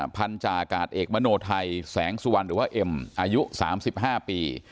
พันธาอากาศเอกมโนไทยแสงสุวรรณหรือว่าเอ็มอายุ๓๕ปี